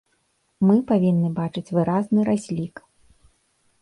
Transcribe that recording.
Мы павінны бачыць выразны разлік.